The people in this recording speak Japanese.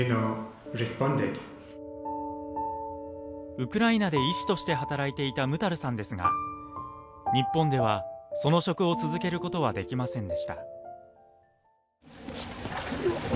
ウクライナで医師として働いていたムタルさんですが、日本ではその職を続けることはできませんでした。